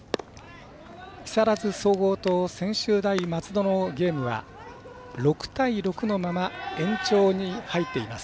木更津総合と専修大松戸のゲームは６対６のまま延長に入っています。